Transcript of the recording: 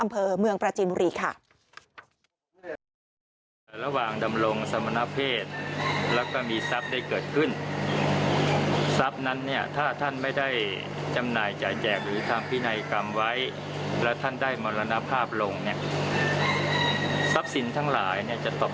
เพราะว่ากฎหมายเราบุไว้ในมาตรา๑๖๒๓เอาไว้ฉัด